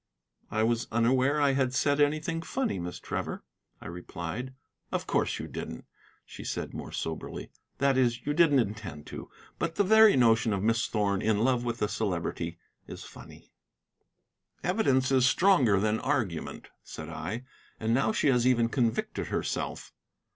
"I was unaware I had said anything funny, Miss Trevor," I replied. "Of course you didn't," she said more soberly; "that is, you didn't intend to. But the very notion of Miss Thorn in love with the Celebrity is funny." "Evidence is stronger than argument," said I. "And now she has even convicted herself."